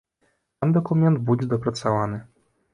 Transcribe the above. Сам дакумент будзе дапрацаваны.